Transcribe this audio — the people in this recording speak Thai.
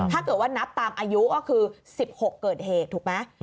ถ้าเกิดว่านับตามอายุก็คือ๑๖เกิดเหตุถูกไหม